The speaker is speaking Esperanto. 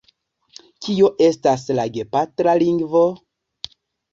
Kio estas la gepatra lingvo?